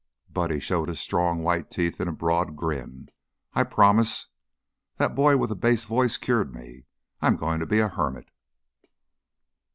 Buddy showed his strong, white teeth in a broad grin. "I promise! That boy with the bass voice cured me. I'm goin' to be a hermit."